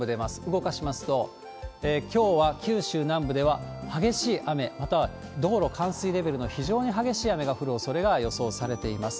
動かしますと、きょうは九州南部では、激しい雨、または道路冠水レベルの非常に激しい雨が降るおそれが予想されています。